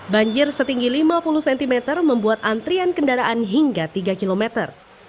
banjir setinggi lima puluh cm membuat antrian kendaraan hingga tiga kilometer